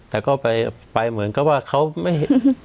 แต่ก็ไปเหมือนกับว่าเขาไม่